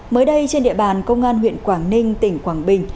mới đây trên địa bàn công an huyện quảng ninh tỉnh quảng bình